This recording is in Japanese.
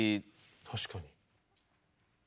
確かに。